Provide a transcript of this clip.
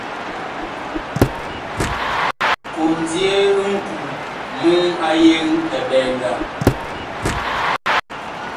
Kondye ŋku muŋ a yeŋ eɓɛnga.